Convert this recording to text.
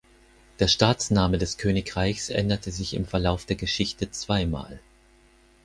Der Staatsname des Königreichs änderte sich im Verlauf der Geschichte zweimal.